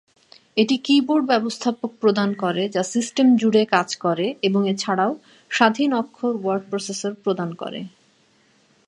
এটি কিবোর্ড ব্যবস্থাপক প্রদান করে যা সিস্টেম জুড়ে কাজ করে এবং এছাড়াও স্বাধীন অক্ষর ওয়ার্ড প্রসেসর প্রদান করে।